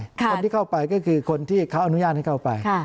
คนที่เข้าไปก็คือคนที่เขาอนุญาตให้เข้าไป